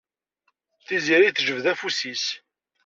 Tiziri tejbed afus-is.